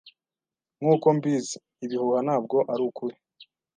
Nkuko mbizi, ibihuha ntabwo arukuri.